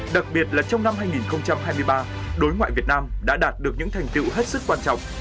đặc biệt là trong năm hai nghìn hai mươi ba đối ngoại việt nam đã đạt được những thành tiệu hết sức quan trọng